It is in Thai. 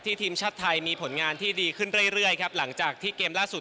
ทีมชาติไทยมีผลงานที่ดีขึ้นเรื่อยเรื่อยครับหลังจากที่เกมล่าสุด